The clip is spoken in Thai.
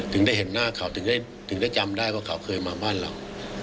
ถึงได้เห็นหน้าเขาถึงได้ถึงได้จำได้ว่าเขาเคยมาบ้านเรา